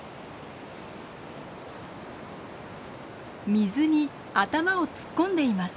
水に頭を突っ込んでいます。